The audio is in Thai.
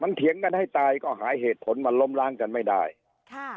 เถียงกันให้ตายก็หาเหตุผลมาล้มล้างกันไม่ได้ค่ะ